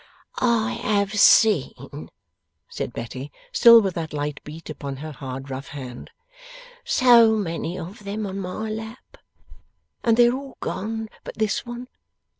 'I have seen,' said Betty, still with that light beat upon her hard rough hand, 'so many of them on my lap. And they are all gone but this one!